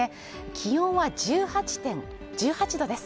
気温は１８度です。